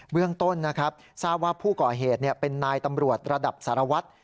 เรื่องต้นนะครับทราบว่าผู้ก่อเหตุเป็นนายตำรวจระดับสารวัตร